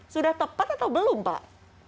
sudah tepat atau belum pak